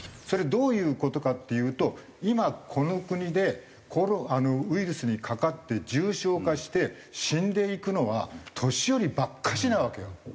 それどういう事かっていうと今この国でウイルスにかかって重症化して死んでいくのは年寄りばっかしなわけよ。